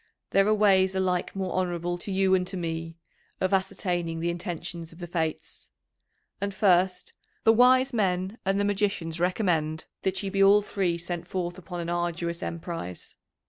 There are ways alike more honourable to you and to me of ascertaining the intentions of the fates. And first, the wise men and the magicians recommend that ye be all three sent forth upon an arduous emprise.